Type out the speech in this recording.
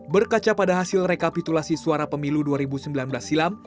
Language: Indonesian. berkaca pada hasil rekapitulasi suara pemilu dua ribu sembilan belas silam